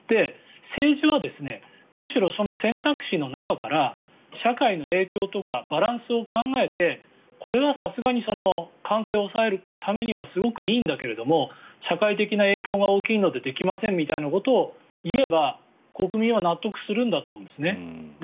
政治はむしろその選択肢の中から社会の影響とかバランスを考えてこれはさすがに感染を抑えるためにはすごくいいんだけど社会的な影響が大きいのでできませんみたいなことを言えば国民は納得するんだと思うんですね。